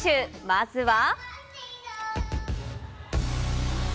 まずは。